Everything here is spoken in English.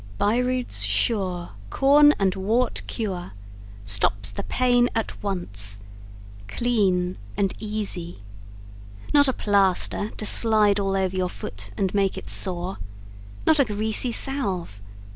] BYRUD'S SURE Corn and Wart Cure STOPS THE PAIN AT ONCE Clean and Easy Not a plaster to slide all over your foot and make it sore Not a greasy salve.